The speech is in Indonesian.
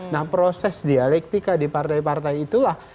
nah proses dialektika di partai partai itulah